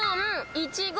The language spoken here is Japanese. イチゴ。